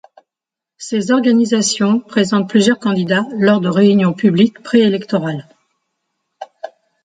Ces organisations présentent plusieurs candidats lors de réunions publiques pré-électorales.